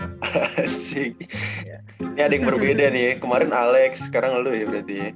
ini ada yang berbeda nih kemarin alex sekarang ngeluh ya berarti